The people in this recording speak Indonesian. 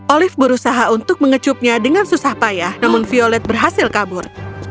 olive berusaha untuk mengecupnya dengan susah payah namun violet berhasil kabur